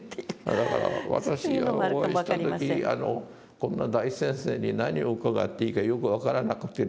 だから私がお会いした時こんな大先生に何を伺っていいかよく分からなくてですね